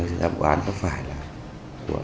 chính là của em gái mình